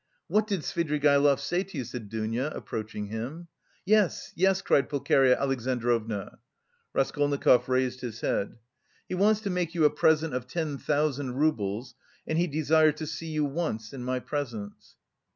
"What did Svidrigaïlov say to you?" said Dounia, approaching him. "Yes, yes!" cried Pulcheria Alexandrovna. Raskolnikov raised his head. "He wants to make you a present of ten thousand roubles and he desires to see you once in my presence."